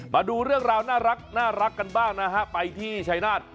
มาดูเรื่องราวน่ารักกันบ้างนะฮะไปที่ชายนาฏ